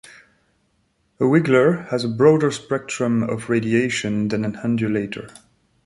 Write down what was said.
A wiggler has a broader spectrum of radiation than an undulator.